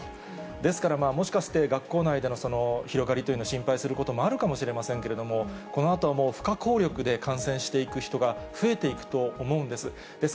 ですから、もしかして学校内での広がりというのを心配することもあるかもしれませんけれども、このあとはもう、不可抗力で感染していく人が増えていくと思うんです。